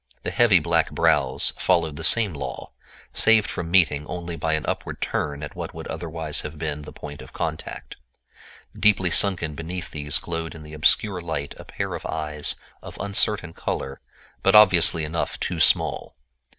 The heavy black brows followed the same law, saved from meeting only by an upward turn at what would otherwise have been the point of contact. Deeply sunken beneath these, glowed in the obscure light a pair of eyes of uncertain color, but obviously enough too small.